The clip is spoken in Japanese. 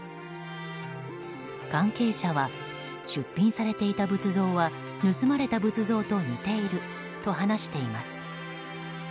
関係者は出品されていた仏像は盗まれた仏像と似ていると話しています。